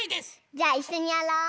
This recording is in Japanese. じゃあいっしょにやろう！